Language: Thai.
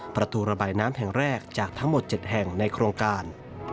ประตูระบายน้ำแห่งแรกจากทั้งหมด๗แห่งในโครงการ